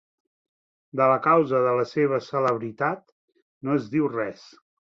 De la causa de la seva celebritat no es diu res.